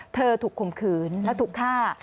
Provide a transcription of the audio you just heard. ถูกข่มขืนและถูกฆ่า